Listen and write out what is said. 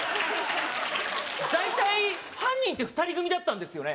大体犯人って２人組だったんですよね